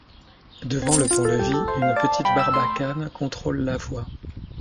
Devant le pont-levis, une petite barbacane contrôle la voie.